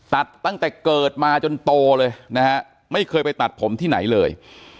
ตั้งแต่เกิดมาจนโตเลยนะฮะไม่เคยไปตัดผมที่ไหนเลย